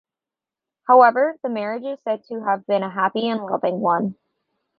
However the marriage is said to have been a happy and loving one.